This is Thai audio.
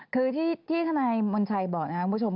คือที่ทนายมนชัยบอกนะครับคุณผู้ชม